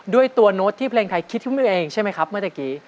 ด้วยตัวโน้ตที่เพลงไทยคิดขึ้นมาเองใช่ไหมครับเมื่อตะกี้